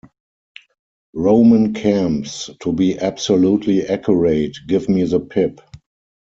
Roman camps, to be absolutely accurate, give me the pip.